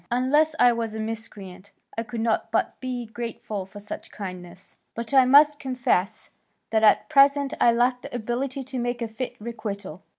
Unless I were a miscreant, I could not but be grateful for such kindness. But I must confess that at present I lack the ability to make a fit requital.